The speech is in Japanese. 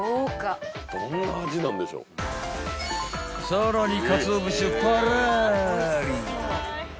［さらに］